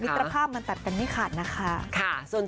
ตรภาพมันตัดกันไม่ขาดนะคะ